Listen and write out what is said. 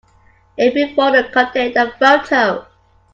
Every folder contained a photo.